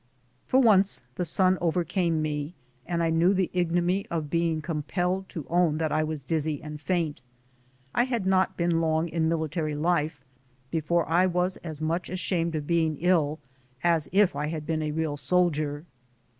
For once the sun overcame me, and I knew the ig nominy of being compelled to own that I was dizzy and faint. I had not been long in military life before I was as much ashamed of being ill as if I had been a real sol dier.